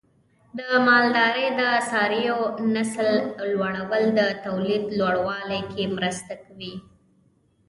د مالدارۍ د څارویو نسل لوړول د تولید لوړوالي کې مرسته کوي.